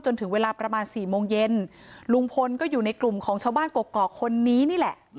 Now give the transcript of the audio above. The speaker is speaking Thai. จนถึงเวลาประมาณสี่โมงเย็นลุงพลก็อยู่ในกลุ่มของชาวบ้านกกอกคนนี้นี่แหละ